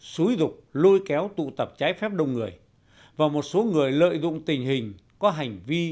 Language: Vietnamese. xúi rục lôi kéo tụ tập trái phép đông người và một số người lợi dụng tình hình có hành vi